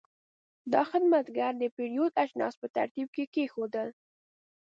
دا خدمتګر د پیرود اجناس په ترتیب کېښودل.